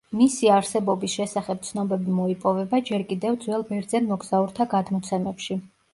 მისი არსებობის შესახებ ცნობები მოიპოვება ჯერ კიდევ ძველ ბერძენ მოგზაურთა გადმოცემებში.